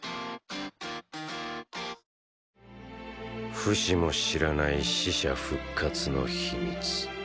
フシも知らない死者復活の秘密。